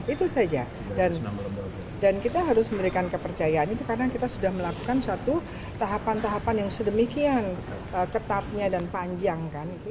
itu saja dan kita harus memberikan kepercayaan itu karena kita sudah melakukan satu tahapan tahapan yang sedemikian ketatnya dan panjang kan itu